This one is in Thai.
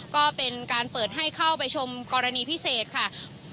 ก็เป็นการเปิดให้เข้าไปชมกรณีพิเศษค่ะ